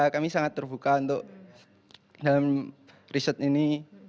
kami sangat terbuka untuk dalam riset ini